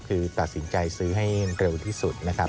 คือตัดสินใจซื้อให้เร็วที่สุดนะครับ